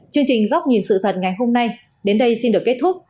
chương trình góc nhìn sự thật ngày hôm nay đến đây xin được kết thúc